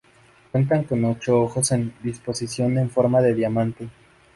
Cuentan con ocho ojos en disposición en forma de diamante.